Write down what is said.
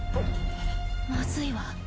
まずいわ。